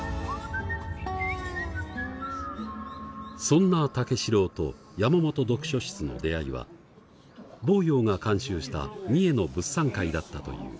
そんな武四郎と山本読書室の出会いは亡羊が監修した三重の物産会だったという。